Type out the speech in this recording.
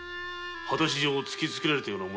果たし状を突きつけられたからな。